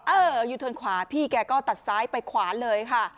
เออยูเทิร์นขวาพี่แกก็ตัดซ้ายไปขวาเลยค่ะ